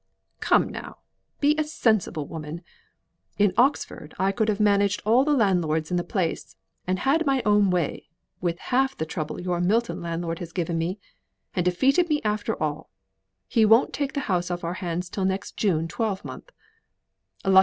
"Come now, be a sensible woman! In Oxford, I could have managed all the landlords in the place, and had my own way, with half the trouble your Milton landlord has given me, and defeated me after all. He won't take the house off our hands till next June twelve month.